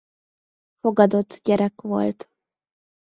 Fogadott gyerek volt.